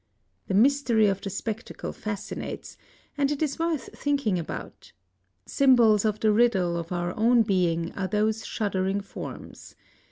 The mystery of the spectacle fascinates; and it is worth thinking about. Symbols of the riddle of our own being are those shuddering forms.